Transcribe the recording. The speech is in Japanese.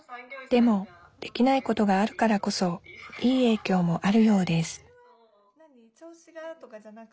でもできないことがあるからこそいい影響もあるようです何？